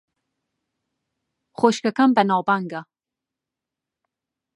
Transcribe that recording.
خوشکەکەم بەناوبانگە.